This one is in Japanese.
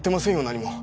何も。